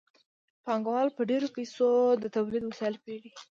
پانګوال په ډېرو پیسو د تولید وسایل پېري